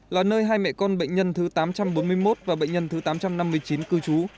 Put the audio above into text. là nơi hai mẹ con bệnh nhân thứ tám trăm bốn mươi một và bệnh nhân thứ tám trăm năm mươi chín cư trú